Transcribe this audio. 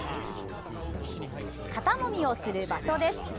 肩もみをする場所です。